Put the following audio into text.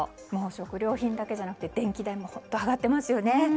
食料品だけでなく電気代も上がっていますよね。